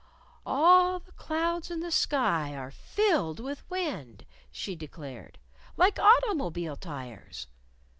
"All the clouds in the sky are filled with wind," she declared; "like automobile tires.